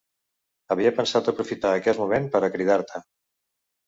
Havia pensat aprofitar aquest moment per a cridar-te.